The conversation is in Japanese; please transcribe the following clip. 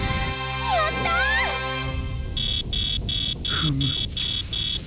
フム！